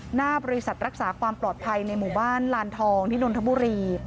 หน้าบริษัทรักษาความปลอดภัยในหมู่บ้านลานทองที่นนทบุรี